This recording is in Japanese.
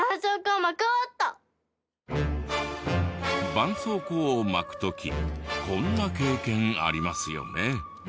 ばんそうこうを巻く時こんな経験ありますよね？